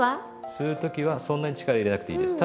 吸う時はそんなに力入れなくていいです。